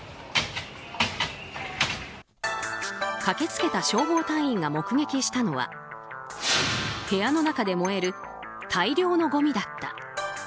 駆けつけた消防隊員が目撃したのは部屋の中で燃える大量のごみだった。